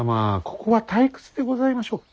ここは退屈でございましょう。